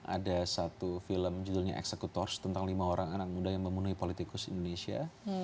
ada satu film judulnya executors tentang lima orang anak muda yang memenuhi politikus indonesia